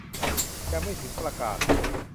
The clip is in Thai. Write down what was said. ยังไม่ถึงประกาศ